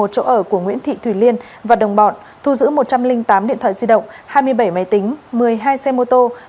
một mươi một chỗ ở của nguyễn thị thủy liên và đồng bọn thu giữ một trăm linh tám điện thoại di động hai mươi bảy máy tính một mươi hai xe mô tô